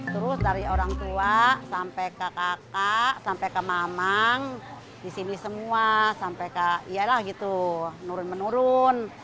terus dari orang tua sampai ke kakak sampai ke mamang di sini semua sampai ke ialah gitu nurun menurun